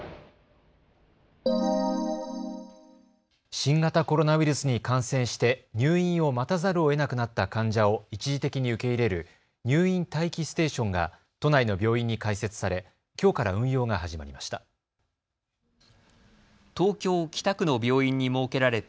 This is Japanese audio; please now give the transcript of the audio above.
新型コロナウイルスに感染して入院を待たざるをえなくなった患者を一時的に受け入れる入院待機ステーションが都内の病院に開設されきょうから運用が始まりました。